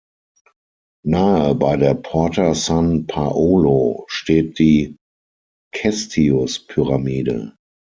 Nahe bei der Porta San Paolo steht die Cestius-Pyramide.